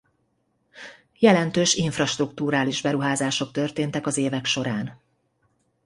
Jelentős infrastrukturális beruházások történtek az évek során.